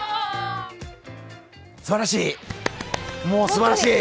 すばらしい！